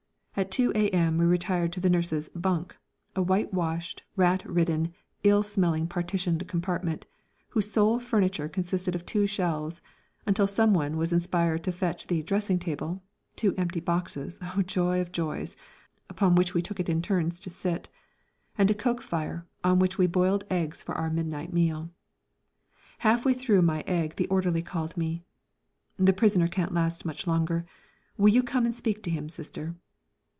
At 2 A.M. we retired to the nurses' "bunk" a whitewashed, rat ridden, ill smelling partitioned compartment, whose sole furniture consisted of two shelves until someone was inspired to fetch the "dressing table" (two empty boxes oh, joy of joys! upon which we took it in turns to sit) and a coke fire, on which we boiled eggs for our midnight meal. Half way through my egg the orderly called me: "The prisoner can't last much longer. Will you come and speak to him, Sister?"